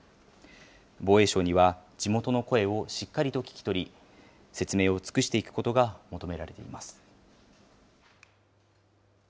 防衛省には地元の声をしっかりと聞き取り、説明を尽くしていくことが求められています。